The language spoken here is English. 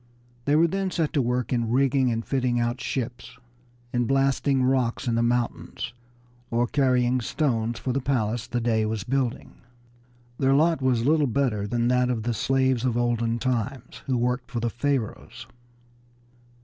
They were then set to work in rigging and fitting out ships, in blasting rocks in the mountains, or carrying stones for the palace the Dey was building. Their lot was but little better than that of the slaves of olden times who worked for the Pharaohs.